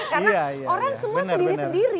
karena orang semua sendiri sendiri